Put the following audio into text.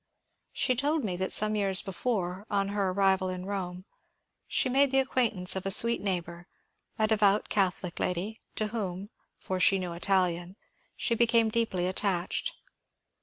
She told me that some years before, on her arrival in Bome, she made the acquaintance of a sweet neighbour, — a devout Catholic lady, — to whom (for she knew Italian) she became deeply attached.